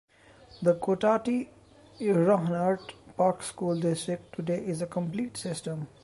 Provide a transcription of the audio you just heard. The Cotati-Rohnert Park School District today is a complete system.